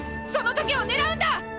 その時を狙うんだ！！